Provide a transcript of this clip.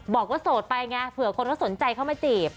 บอกว่าโสดไปเลยไงเผื่อว่าสนใจเค้ามาจีบ